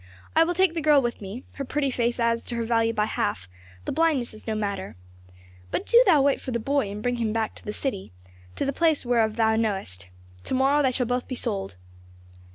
"I will take the girl with me, her pretty face adds to her value by half, the blindness is no matter. But do thou wait for the boy and bring him to the city, to the place whereof thou knowest. To morrow they shall both be sold."